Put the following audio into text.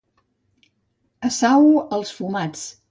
A Sau, els fumats.